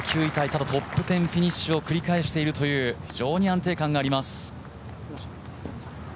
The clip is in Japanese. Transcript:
ただトップ１０フィニッシュを繰り返しているという非常に安定感があります。